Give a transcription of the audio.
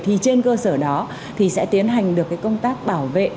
thì trên cơ sở đó thì sẽ tiến hành được cái công tác bảo vệ